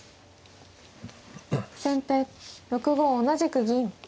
先手６五同じく銀。